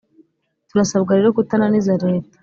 turasabwa rero kutananiza leta.